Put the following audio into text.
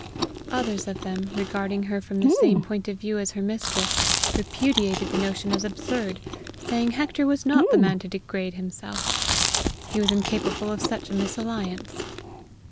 Others of them, regarding her from the same point of view as her mistress, repudiated the notion as absurd, saying Hector was not the man to degrade himself! He was incapable of such a misalliance.